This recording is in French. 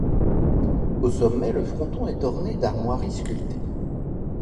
Au sommet, le fronton est orné d'armoiries sculptées.